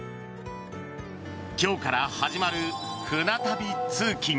今日から始まる舟旅通勤。